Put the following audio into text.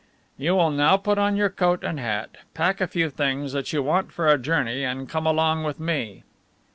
"You will now put on your coat and hat, pack a few things that you want for a journey, and come along with me."